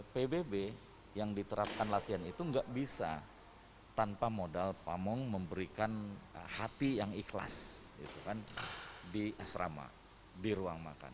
pbb yang diterapkan latihan itu nggak bisa tanpa modal pamong memberikan hati yang ikhlas di asrama di ruang makan